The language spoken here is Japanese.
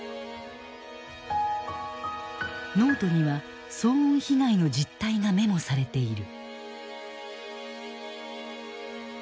ノートには騒音被害の実態がメモされている。